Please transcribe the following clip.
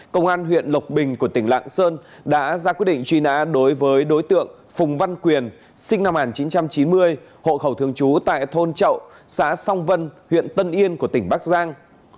công an huyện lộc bình của tỉnh lạng sơn đã ra quyết định truy nã đối với đối tượng phùng văn quyền sinh năm một nghìn chín trăm chín mươi hộ khẩu thường trú tại thôn chậu xã song vân huyện tân yên của tỉnh bắc giang